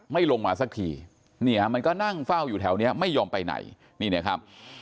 ไม่ลงมาสักทีเนี่ยมันก็นั่งเฝ้าอยู่แถวนี้ไม่ยอมไปไหนนี่นะครับ